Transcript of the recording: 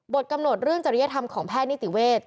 กำหนดเรื่องจริยธรรมของแพทย์นิติเวทย์